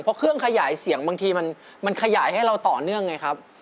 เพราะเครื่องขยายเสียงบางทีมันขยายให้เราต่อเนื่องไงครับ